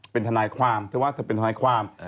เป็นทนายความเธอว่าเธอเป็นทนายความ